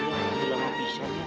itu lama pisahnya